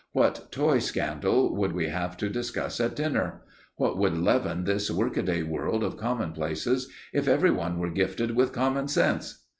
What toy scandal would we have to discuss at dinner? What would leaven this workaday world of common places, if everyone were gifted with common sense?